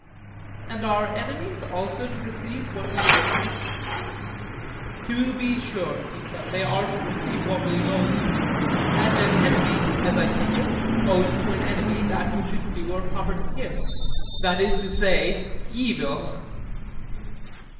And are enemies also to receive what we owe to them? To be sure, he said, they are to receive what we owe them, and an enemy, as I take it, owes to an enemy that which is due or proper to him—that is to say, evil.